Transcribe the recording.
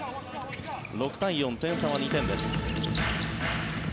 ６対４点差は２点です。